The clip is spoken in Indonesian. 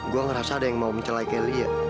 gue ngerasa ada yang mau mencelai kelly ya